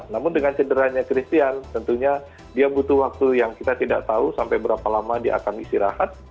namun dengan cederanya christian tentunya dia butuh waktu yang kita tidak tahu sampai berapa lama dia akan istirahat